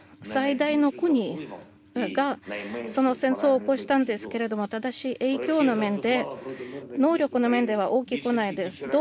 最大の国が戦争を起こしたんですけれども、ただし、能力の面では大きくないです。